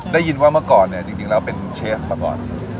ได้ยินว่าเมื่อก่อนเนี่ยจริงแล้วเป็นเชฟมาก่อน